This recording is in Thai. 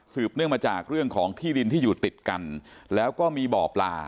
เนื่องมาจากเรื่องของที่ดินที่อยู่ติดกันแล้วก็มีบ่อปลา